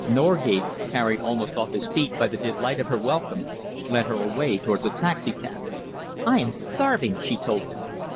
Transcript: Norgate, carried almost off his feet by the delight of her welcome, led her away towards a taxicab. "I am starving," she told him.